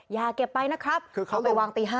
อย่าเก็บไปนะครับคือเขาไปวางตี๕